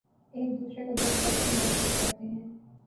ایک دوسرے کا دکھ درد بھی محسوس کرتے ہیں